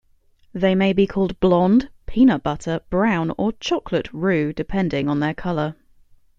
They may be called "blond", "peanut-butter", "brown" or "chocolate" roux depending on their color.